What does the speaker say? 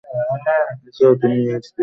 এছাড়াও তিনি এইডস বিষয়ে কাজ করেছেন।